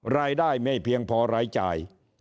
รายได้ไม่เพียงพอรายจ่าย